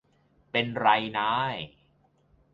เป็นไรนาย